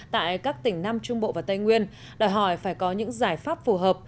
tại các tỉnh nam trung bộ và tây nguyên đòi hỏi phải có những giải pháp phù hợp